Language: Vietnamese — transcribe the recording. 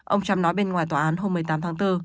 ông trump nói bên ngoài tòa án hôm một mươi tám tháng bốn